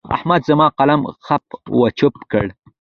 احمد زما قلم خپ و چپ کړ.